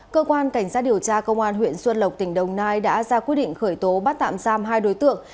cơ quan cảnh sát điều tra công an huyện xuân lộc tỉnh đồng nai đã ra quyết định khởi tố bắt tạm giam hai đối tượng